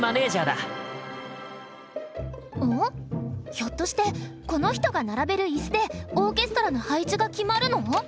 ひょっとしてこの人が並べるイスでオーケストラの配置が決まるの？